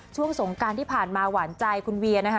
สงการที่ผ่านมาหวานใจคุณเวียนะคะ